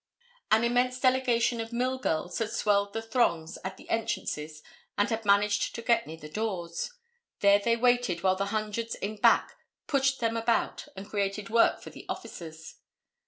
An immense delegation of mill girls had swelled the throngs at the entrances and had managed to get near the doors. There they waited while the hundreds in back pushed them about and created work for the officers.